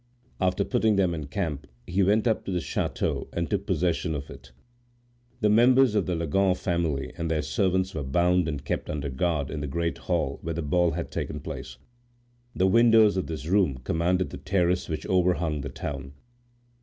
After putting them in camp, he went up to the chateau and took possession of it. The members of the Leganes family and their servants were bound and kept under guard in the great hall where the ball had taken place. The windows of this room commanded the terrace which overhung the town.